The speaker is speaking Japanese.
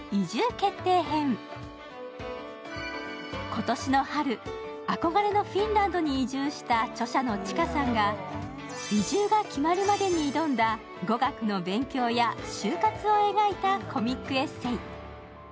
今年の春、あこがれのフィンランドに移住した著者のｃｈｉｋａさんが移住が決まるまでに挑んだ語学の勉強や就活を描いたコミックエッセー。